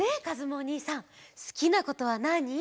おにいさんすきなことはなに？